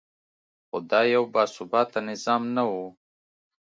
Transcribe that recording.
خو دا یو باثباته نظام نه و.